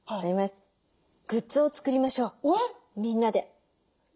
グッズを作りましょうみんなで。